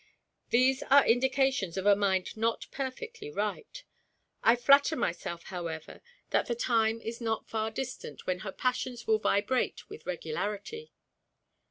These are indications of a mind not perfectly right. I flatter myself, however, that the time is not far distant when her passions will vibrate with regularity.